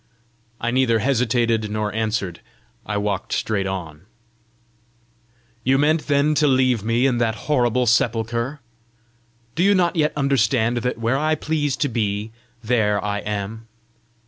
I neither hesitated nor answered; I walked straight on. "You meant then to leave me in that horrible sepulchre! Do you not yet understand that where I please to be, there I am?